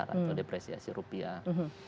atau depresiasi rupiah